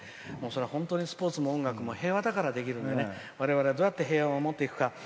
本当にスポーツも音楽も平和だからできるんで我々、どうやって平和を守っていくか。